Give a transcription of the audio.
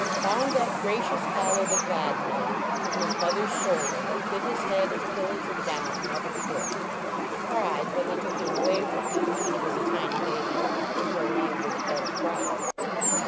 Found that "gracious hollow that God made" in his mother s shoulder that fit his head as pillows of down never could. Cried when they took him away from it, when he was a tiny baby "with no language but a cry."